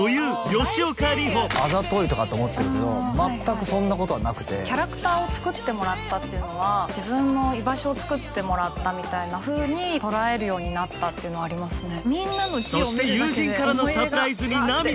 もう大親友あざといとかって思ってるけど全くそんなことはなくてキャラクターを作ってもらったっていうのは自分の居場所をつくってもらったみたいなふうに捉えるようになったっていうのはありますね